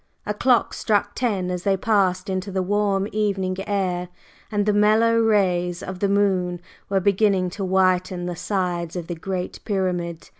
A clock struck ten as they passed into the warm evening air, and the mellow rays of the moon were beginning to whiten the sides of the Great Pyramid.